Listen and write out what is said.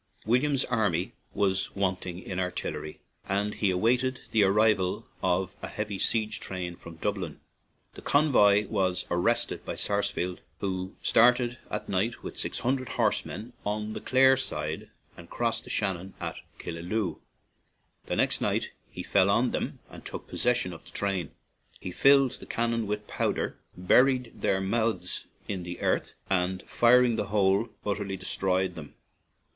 William's army was wanting in artillery, and he awaited the arrival of a heavy siege train from Dublin. The convoy was arrested by Sarsfield, who started at night with six hundred horsemen on the Clare side and crossed the Shannon at Killaloe. The next night he fell on them and took pos session of the train. He filled the can non with powder, buried their mouths in the earth, and, firing the whole, utterly destroyed them.